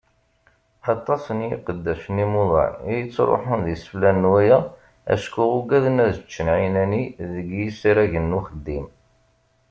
Aṭas n yiqeddacen imuḍan i yettruḥun d iseflan n waya acku uggaden ad ččen ɛinani deg yisragen n uxeddim.